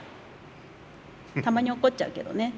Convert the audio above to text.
たまに怒っちゃうけどね。